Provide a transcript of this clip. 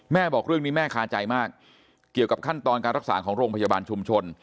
บอกเรื่องนี้แม่คาใจมากเกี่ยวกับขั้นตอนการรักษาของโรงพยาบาลชุมชน